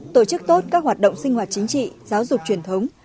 tổ chức tốt các hoạt động sinh hoạt chính trị giáo dục truyền thống